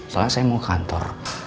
soalnya saya mau kantor